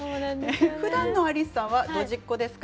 ふだんのアリスさんはドジっ子ですか？